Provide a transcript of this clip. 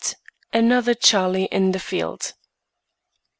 ANOTHER CHARLIE IN THE FIELD.